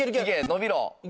伸びろ！